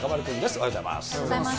おはようございます。